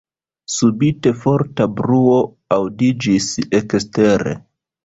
Subite forta bruo aŭdiĝis ekstere.